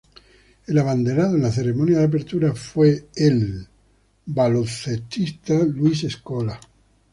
El abanderado en la ceremonia de apertura fue el basquetbolista Luis Scola.